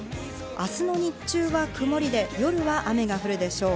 明日の日中は曇りで夜は雨が降るでしょう。